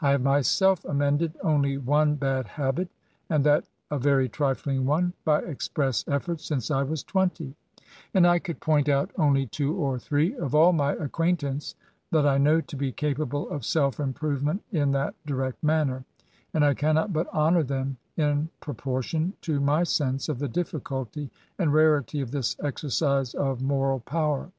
I have myself amended only one bad habit — and that a very trifling one — by express eflfort, since I was twenty ; and I could point out only two or three, of all my acquaintance, that I know to be capable of self improvement in that direct manner ; and I cannot but honour them in proportion to my sense of the difficulty and rarity of this exercise of moral power.